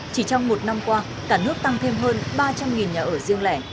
chỉ trong một năm qua cả nước tăng thêm hơn ba trăm linh nhà ở riêng lẻ